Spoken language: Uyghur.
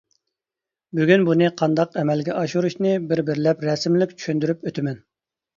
بۈگۈن بۇنى قانداق ئەمەلگە ئاشۇرۇشنى بىر-بىرلەپ رەسىملىك چۈشەندۈرۈپ ئۆتىمەن.